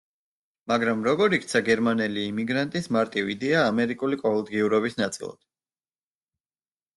მაგრამ, როგორ იქცა გერმანელი იმიგრანტის მარტივი იდეა, ამერიკული ყოველდღიურობის ნაწილად?